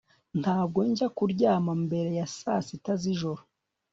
Ntabwo njya kuryama mbere ya saa sita zijoro